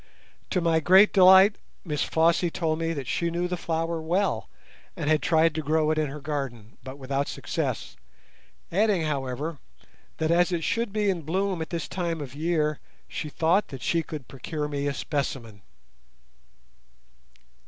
To my great delight Miss Flossie told me that she knew the flower well and had tried to grow it in her garden, but without success, adding, however, that as it should be in bloom at this time of the year she thought that she could procure me a specimen.